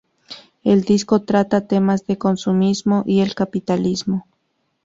El disco trata temas de consumismo y el capitalismo.